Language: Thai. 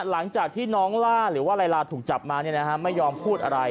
หลังจากที่น้องล่าหรือว่าลายลาถูกจับมาไม่ยอมพูดอะไร